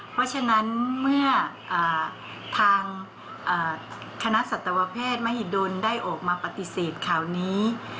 เพราะฉะนั้นเมื่อทางคณะสัตวแพทย์มหิดลได้ออกมาปฏิเสธข่าวนี้